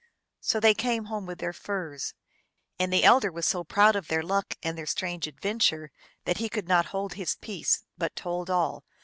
So they came home with their furs, and the elder was so proud of their luck and their strange adventure tliat he could not hold his peace, but told all.